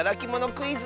クイズ！